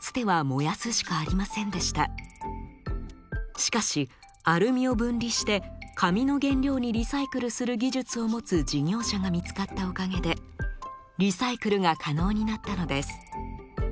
しかしアルミを分離して紙の原料にリサイクルする技術を持つ事業者が見つかったおかげでリサイクルが可能になったのです。